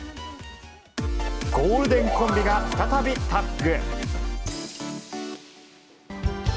ゴールデンコンビが再びタッグ。